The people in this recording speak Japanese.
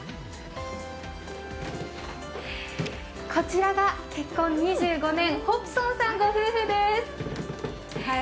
こちらが結婚２５年ホプソンさんご夫婦です。